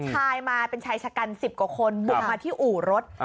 ชายมาเป็นชายชะกัน๑๐กว่าคนบุกมาที่อู่รถ